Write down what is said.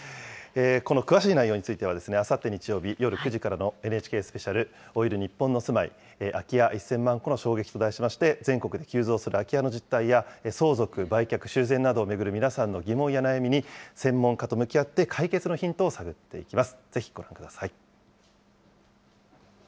この詳しい内容については、あさって日曜日夜９時からのＮＨＫスペシャル、老いる日本の住まい空き家１０００万戸の衝撃と題しまして、全国で急増する空き家の実態や、相続・売却・修繕などを巡る皆さんの疑問や悩みに専門家と向き合って解決のヒントを探っていきます。